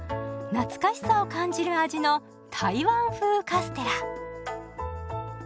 懐かしさを感じる味の台湾風カステラ。